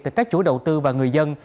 từ các chủ đầu tư và người dân